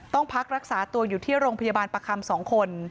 พักรักษาตัวอยู่ที่โรงพยาบาลประคำ๒คน